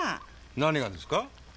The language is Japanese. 何がですか？